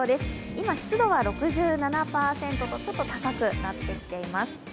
今、湿度は６７％とちょっと高くなってきています。